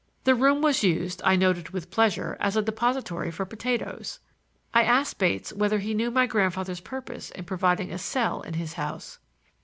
The room was used, I noted with pleasure, as a depository for potatoes. I asked Bates whether he knew my grandfather's purpose in providing a cell in his house.